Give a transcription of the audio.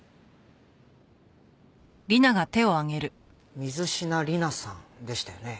水品理奈さんでしたよね。